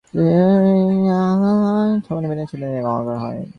সাম্য ও বিনাশ যে এক কথা।